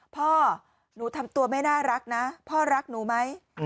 พ่อหนูทำตัวไม่น่ารักนะพ่อรักหนูไหม